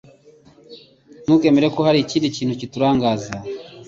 Ntukemere ko hari ikindi kintu kiturangaza